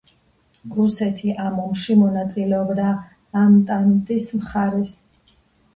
რუსეთი ამ ომში მონაწილეობდა ანტანტის მხარეს.